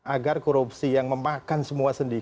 agar korupsi yang memakan semua sendiri